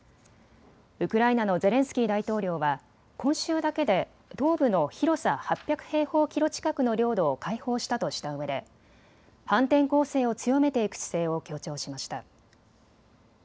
ウクライナのゼレンスキー大統領は今週だけで東部の広さ８００平方キロ近くの領土を解放したとしたうえで、反転攻勢を強めていく姿勢を強調しました。